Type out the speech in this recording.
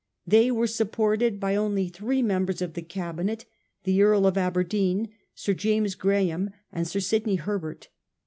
They were supported by only three members of the Cabinet, the Earl of Aberdeen, Sir James Graham, and Mr. Sidney Herbert.